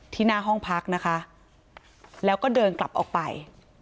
หน้าห้องพักนะคะแล้วก็เดินกลับออกไป